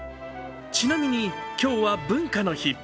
ちなみに、今日は文化の日。